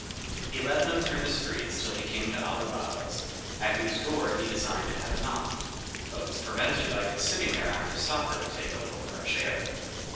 He led them through the streets till he came to Ali Baba's, at whose door he designed to have knocked; but was prevented by his sitting there after supper to take a little fresh air.